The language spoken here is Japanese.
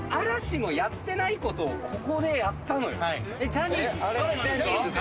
ジャニーズです。